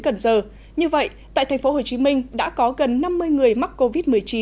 cần giờ như vậy tại thành phố hồ chí minh đã có gần năm mươi người mắc covid một mươi chín